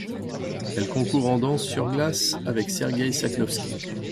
Elle concourt en danse sur glace avec Sergei Sakhnovski.